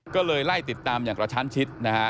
ก็เลยไล่ติดตามอย่างกระชั้นชิดนะฮะ